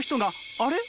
あれ？